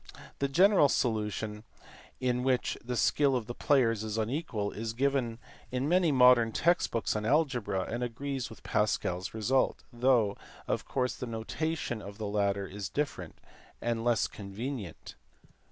The general solution (in which the skill of the players is unequal) is given in many modern text books on algebra and agrees with Pascal s result, though of course the notation of the latter is different and less convenient.